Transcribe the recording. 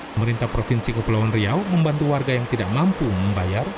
pemerintah provinsi kepulauan riau membantu warga yang tidak mampu membayar